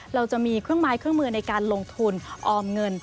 เราจะมีเครื่องไม้เครื่องมือในการลงทุนออมเงิน